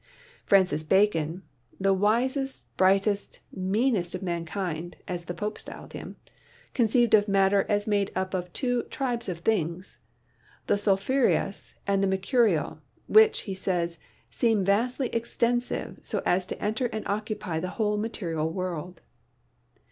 Francis Bacon, "the wisest, brightest, meanest of man kind," as Pope styled him, conceived of matter as made up of two "tribes of things," the "sulphureous" and "mer curial," which, he says, "seem vastly extensive, so as to enter and occupy the whole material world."